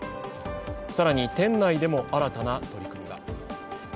更に店内でも新たな取り組みが。